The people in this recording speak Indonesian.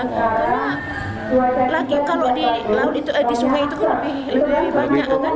karena lagi kalau di sungai itu kan lebih banyak kan